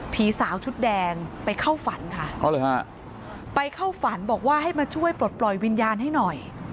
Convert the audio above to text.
ผีสาวชุดแดงไปเข้าฝันค่ะไปเข้าฝันบอกว่าให้มาช่วยปลดปล่อยวิญญาณให้หน่อย